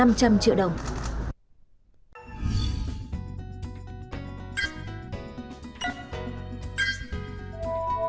hãy đăng ký kênh để ủng hộ kênh của mình nhé